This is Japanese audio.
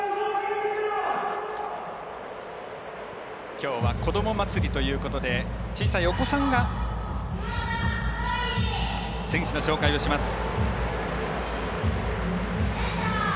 きょうは子ども祭りということで小さいお子さんが選手の紹介をします。